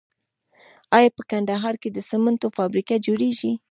آیا په کندهار کې د سمنټو فابریکه جوړیږي؟